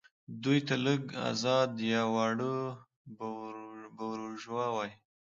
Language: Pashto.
دوی ته لږ ازاد یا واړه بوروژوا وايي.